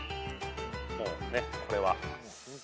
もうねこれは。